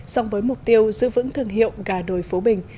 song với mục tiêu giữ vững thương hiệu gà đồi phố bình